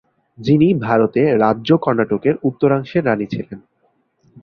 যিনি ভারতে রাজ্য কর্ণাটকের উত্তরাংশের রাণী ছিলেন।